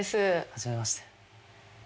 初めまして。